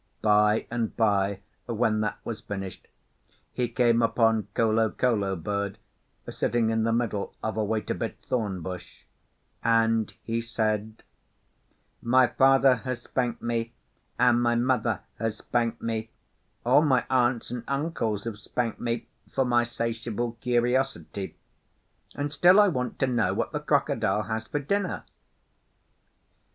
By and by, when that was finished, he came upon Kolokolo Bird sitting in the middle of a wait a bit thorn bush, and he said, 'My father has spanked me, and my mother has spanked me; all my aunts and uncles have spanked me for my 'satiable curtiosity; and still I want to know what the Crocodile has for dinner!